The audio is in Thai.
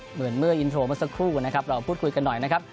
เหมือนเมื่ออินโทรเมื่อสักครู่นะครับเราพูดคุยกันหน่อยนะครับ